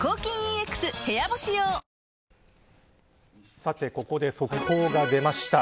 さてここで、速報が出ました。